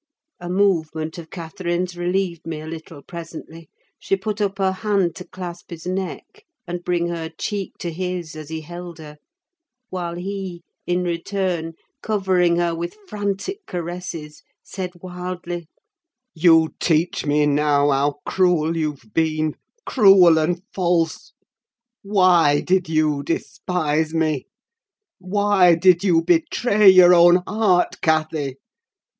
A movement of Catherine's relieved me a little presently: she put up her hand to clasp his neck, and bring her cheek to his as he held her; while he, in return, covering her with frantic caresses, said wildly— "You teach me now how cruel you've been—cruel and false. Why did you despise me? Why did you betray your own heart, Cathy?